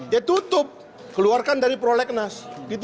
ya tutup keluarkan dari prolegnas